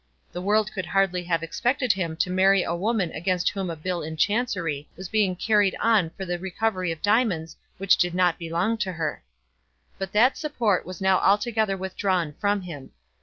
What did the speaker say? The world could hardly have expected him to marry a woman against whom a bill in Chancery was being carried on for the recovery of diamonds which did not belong to her. But that support was now altogether withdrawn from him.